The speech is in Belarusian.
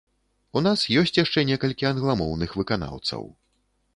У нас ёсць яшчэ некалькі англамоўных выканаўцаў.